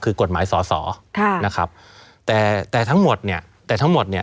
คือกฎหมายสอสอค่ะนะครับแต่แต่ทั้งหมดเนี่ยแต่ทั้งหมดเนี่ย